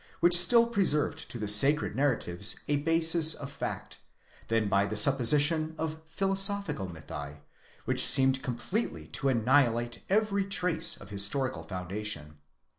which still preserved to the sacred narratives a basis of fact, than by the supposition of philosophical mythi, which seemed completely to annihilate every trace of historical foundation.